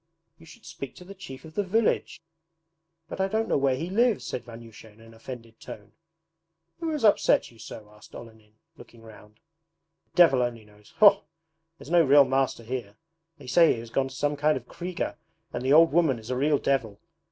'You should speak to the Chief of the Village!' 'But I don't know where he lives,' said Vanyusha in an offended tone. 'Who has upset you so?' asked Olenin, looking round. 'The devil only knows. Faugh! There is no real master here. They say he has gone to some kind of KRIGA, and the old woman is a real devil.